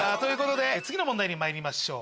次の問題にまいりましょう。